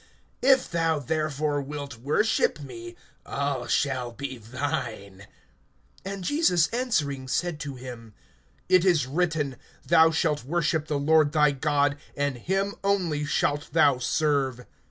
(7)If thou therefore wilt worship me, all shall be thine. (8)And Jesus answering said to him: It is written, Thou shalt worship the Lord thy God, and him only shalt thou serve.